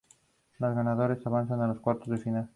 Anida en árboles y arbustos.